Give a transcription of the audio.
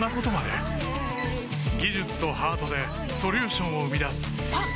技術とハートでソリューションを生み出すあっ！